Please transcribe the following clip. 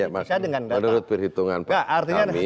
ya maksudnya menurut perhitungan kami